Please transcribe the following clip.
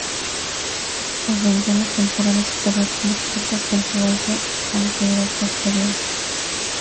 Las ventanas temporales superiores más cortas en su eje anteroposterior.